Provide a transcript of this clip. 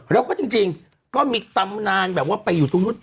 แล้วก็จริงก็มีตำนาน